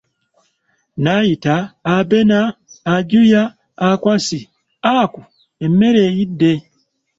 Naayita, Abena, Ajua, Akwasi, Aku, emmere eyidde!